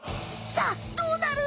さあどうなる？